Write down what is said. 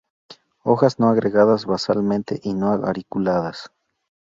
Hojas no agregadas basalmente y no auriculadas.